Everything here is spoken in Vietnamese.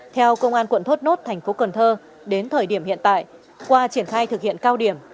theo công an quận thốt nốt thành phố cần thơ đến thời điểm hiện tại qua triển khai thực hiện cao điểm